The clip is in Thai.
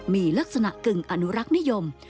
มีลักษณะกึ่งอนุรักษ์นิยม